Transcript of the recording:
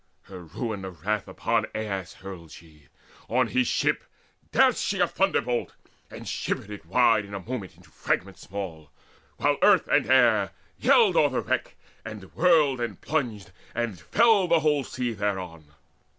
Her ruin of wrath Now upon Aias hurled she: on his ship Dashed she a thunderbolt, and shivered it Wide in a moment into fragments small, While earth and air yelled o'er the wreck, and whirled And plunged and fell the whole sea down thereon.